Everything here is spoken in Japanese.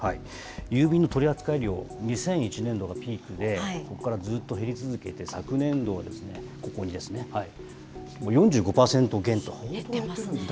郵便の取り扱い量、２００１年度がピークで、ここからずっと減り続けて、昨年度はここにですね、減ってますね。